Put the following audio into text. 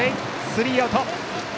スリーアウト。